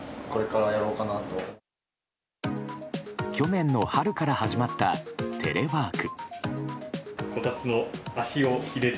去年の春から始まったテレワーク。